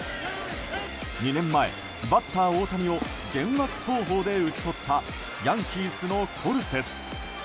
２年前、バッター大谷を幻惑投法で打ち取ったヤンキースのコルテス。